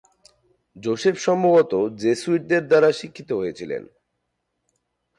যোষেফ সম্ভবত জেসুইটদের দ্বারা শিক্ষিত হয়েছিলেন।